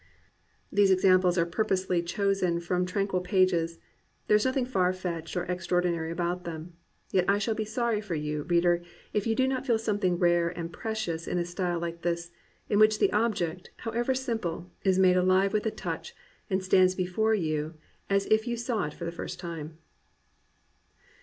These examples are purposely chosen from tran quil pages; there is nothing far fetched or extraor dinary about them; yet I shall be sorry for you, reader, if you do not feel something rare and precious in a style like this, in which the object, however simple, is made aUve with a touch, and stands be fore you as if you saw it for the first time.